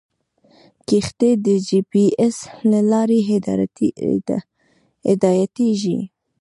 کښتۍ د جي پي ایس له لارې هدایتېږي.